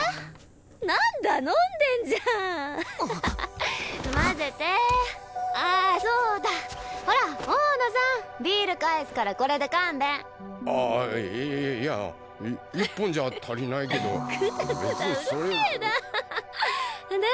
何だ飲んでんじゃんまぜてあそうだほら大野さんビール返すからこれで勘弁あいや１本じゃ足りないけどグダグダうるせえなあで？